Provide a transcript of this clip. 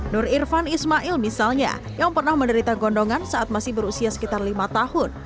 nur irfan ismail misalnya yang pernah menderita gondongan saat masih berusia sekitar lima tahun